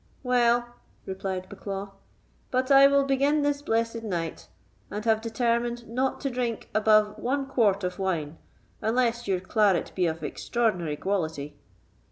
"Well," replied Bucklaw, "but I will begin this blessed night, and have determined not to drink above one quart of wine, unless your claret be of extraordinary quality."